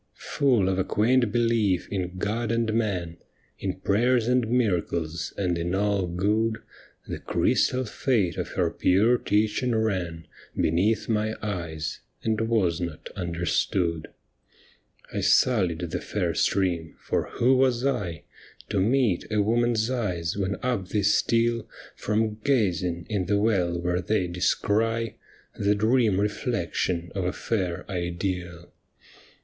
Full of a quaint belief in God and man. In prayers and miracles, and in all good. The crystal fate of her pure teaching ran Beneath my eyes, and was not understood. I sullied the fair stream, for who was I To meet a woman's eyes when up they steal From gazing in the well where they descry The dream reflection of a fair ideal